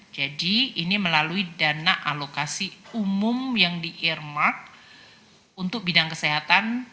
jadi ini melalui dana alokasi umum yang diirmak untuk bidang kesehatan